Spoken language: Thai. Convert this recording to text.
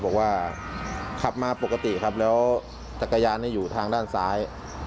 บอกว่าขับมาปกติครับแล้วจักรยานอยู่ทางด้านซ้าย